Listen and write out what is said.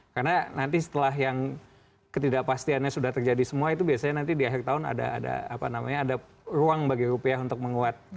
karena nanti setelah yang ketidakpastiannya sudah terjadi semua itu biasanya nanti di akhir tahun ada ruang bagi rupiah untuk menguat